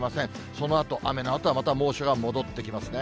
そのあと、雨のあとはまた猛暑が戻ってきますね。